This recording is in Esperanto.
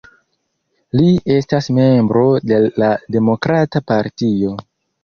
Li estas membro de la Demokrata partio.